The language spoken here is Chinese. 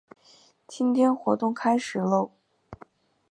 今天活动开始啰！